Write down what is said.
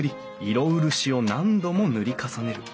色漆を何度も塗り重ねる。